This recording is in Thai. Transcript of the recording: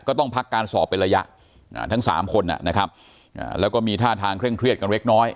ก็ต้องพักการสอบเป็นระยะทั้ง๓คนนะครับแล้วก็มีท่าทางเคร่งเครียดกันเล็กน้อย